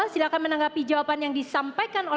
silahkan menanggapi jawaban yang disampaikan